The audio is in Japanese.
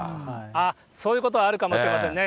ああ、そういうことあるかもしれませんね。